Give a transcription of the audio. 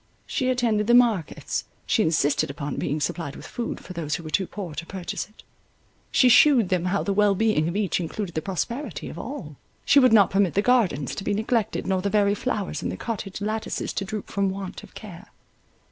She attended the markets—she insisted upon being supplied with food for those who were too poor to purchase it. She shewed them how the well being of each included the prosperity of all. She would not permit the gardens to be neglected, nor the very flowers in the cottage lattices to droop from want of care.